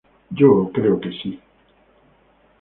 Yo creo que sí.